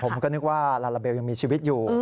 จึงต้องนึกว่าลาลาเบลยังมีชีวิตอยู่